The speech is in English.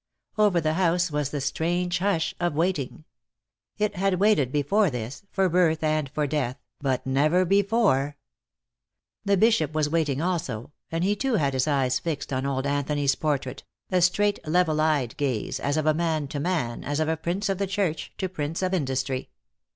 Over the house was the strange hush of waiting. It had waited before this, for birth and for death, but never before The Bishop was waiting also, and he too had his eyes fixed on old Anthony's portrait, a straight, level eyed gaze, as of man to man, as of prince of the church to prince of industry.